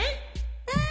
うん